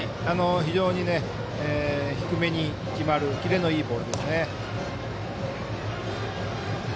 非常に低めに決まるキレのいいボールですね。